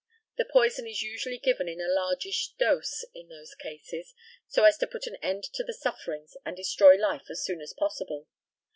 The poison is usually given in a largish dose in those cases, so as to put an end to the sufferings and destroy life as soon as possible.